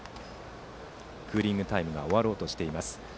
クーリングタイムが終わろうとしています。